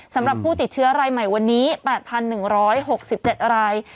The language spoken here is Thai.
สำหรับผู้ติดเชื้อรายใหม่วันนี้๘๑๖๗ราย